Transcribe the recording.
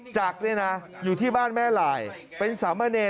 จักรอยู่ที่บ้านแม่รายเป็นสามเบอร์เนร์